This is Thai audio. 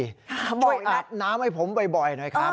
ช่วยอาบน้ำให้ผมบ่อยหน่อยครับ